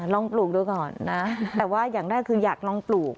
ปลูกดูก่อนนะแต่ว่าอย่างแรกคืออยากลองปลูก